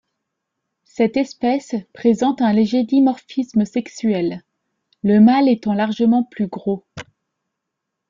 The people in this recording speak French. Cette espèce présente un léger dimorphisme sexuel, le mâle étant largement plus gros.